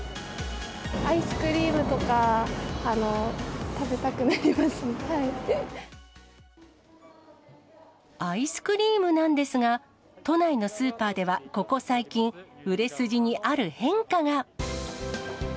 アイスクリームとか食べたくアイスクリームなんですが、都内のスーパーではここ最近、売れ筋にある変化が。